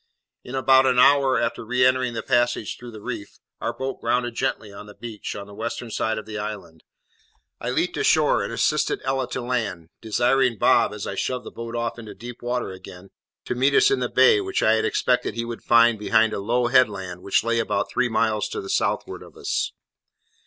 In about an hour after re entering the passage through the reef, our boat grounded gently on the beach, on the western side of the island. I leaped ashore, and assisted Ella to land, desiring Bob, as I shoved the boat off into deep water again, to meet us in the bay which I expected he would find behind a low headland which lay about three miles to the southward of us.